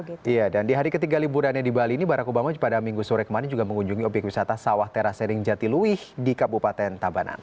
iya dan di hari ketiga liburannya di bali ini barack obama pada minggu sore kemarin juga mengunjungi obyek wisata sawah teras sering jatiluih di kabupaten tabanan